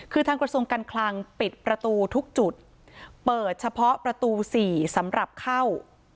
คือทางกระทรวงการคลังปิดประตูทุกจุดเปิดเฉพาะประตู๔สำหรับเข้า